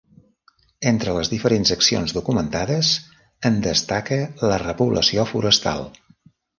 Entre les diferents accions documentades, en destaca la repoblació forestal.